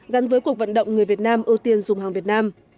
gắn với cuộc vận động người việt nam ưu tiên dùng hàng việt nam